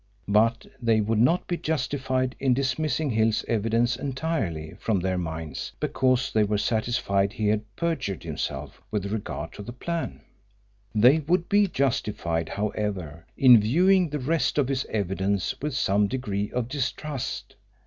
But they would not be justified in dismissing Hill's evidence entirely from their minds because they were satisfied he had perjured himself with regard to the plan. They would be justified, however, in viewing the rest of his evidence with some degree of distrust.